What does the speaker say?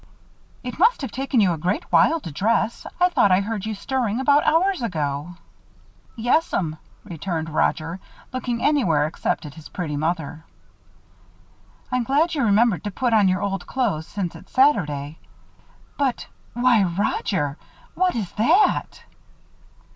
"It must have taken you a great while to dress. I thought I heard you stirring about hours ago." "Yes'm," returned Roger, looking anywhere except at his pretty mother. "I'm glad you remembered to put on your old clothes, since it's Saturday. But why, Roger! What is that?"